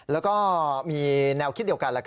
แล้วก็มีแนวคิดเดียวกัน